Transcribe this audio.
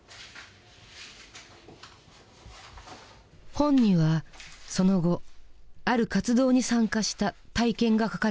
本にはその後ある活動に参加した体験が書かれている。